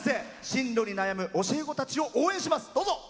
進路に悩む教え子たちを応援します。